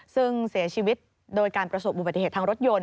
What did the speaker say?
ซึ่งเสียชีวิตโดยการประสบอุบัติเหตุทางรถยนต